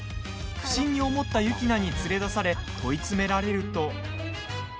不審に思った雪菜に連れ出され問い詰められると。